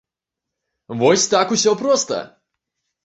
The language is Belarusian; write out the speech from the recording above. Вось так усё проста!